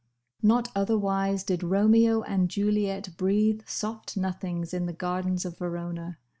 Not otherwise did Romeo and Juliet breathe soft nothings in the gardens of Verona.